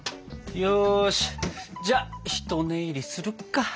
よしじゃひと寝入りするか。